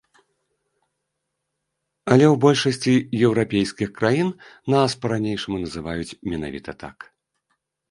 Але ў большасці еўрапейскіх краін нас па-ранейшаму называюць менавіта так.